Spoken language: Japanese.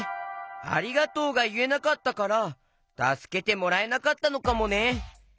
「ありがとう」がいえなかったからたすけてもらえなかったのかもね。